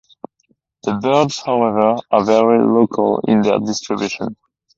The birds however are very local in their distribution.